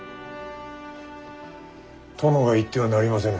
殿が行ってはなりませぬ。